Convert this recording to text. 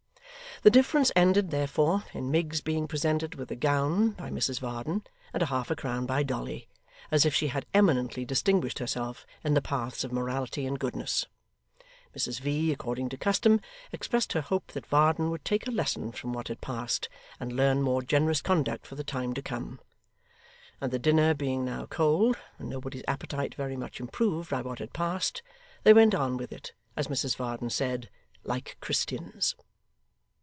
The difference ended, therefore, in Miggs being presented with a gown by Mrs Varden and half a crown by Dolly, as if she had eminently distinguished herself in the paths of morality and goodness. Mrs V., according to custom, expressed her hope that Varden would take a lesson from what had passed and learn more generous conduct for the time to come; and the dinner being now cold and nobody's appetite very much improved by what had passed, they went on with it, as Mrs Varden said, 'like Christians.